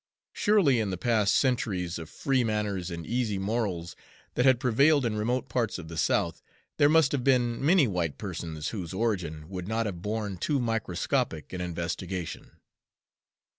Surely in the past centuries of free manners and easy morals that had prevailed in remote parts of the South, there must have been many white persons whose origin would not have borne too microscopic an investigation.